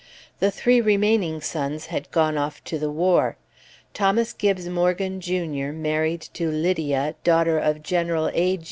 The three remaining sons had gone off to the war. Thomas Gibbes Morgan, Jr., married to Lydia, daughter of General A.